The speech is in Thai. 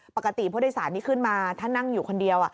ปกติผู้โดยสารที่ขึ้นมาถ้านั่งอยู่คนเดียว